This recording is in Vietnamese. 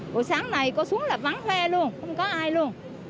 buổi sáng này có xuống là vắng khe luôn không có ai luôn